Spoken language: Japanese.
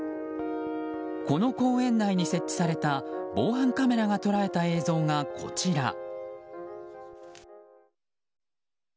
この公園内に設置された防犯カメラが捉えた映像がこちら。